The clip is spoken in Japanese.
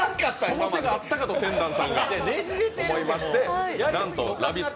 その手があったんかと天壇さんが思いまして、なんと「ラヴィット！」